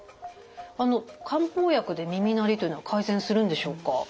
漢方薬で「耳鳴り」というのは改善するんでしょうか？